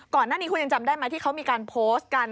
ก่อนหน้านี้คุณยังจำได้ไหมที่เขามีการโพสต์กัน